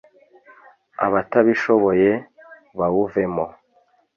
abatabishoboye bawuvemo